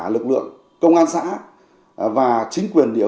lực lượng công an xã và chính quyền địa